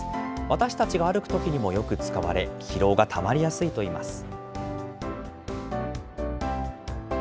私たちが歩くときにもよく使われ、疲労がたまりやすいといいます。